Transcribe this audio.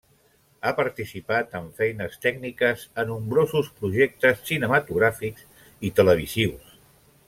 Ha participat, en feines tècniques, a nombrosos projectes cinematogràfics i televisius.